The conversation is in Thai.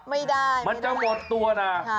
มันจะหมดตัวน่ะ